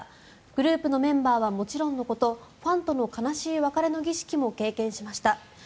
グループのメンバーはもちろんのことファンとの悲しい別れの儀式も経験しました。